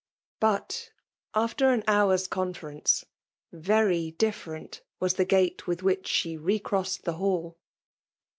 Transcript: But, after an hour's conference, very dif ferent was the gait with which she re crossed the hall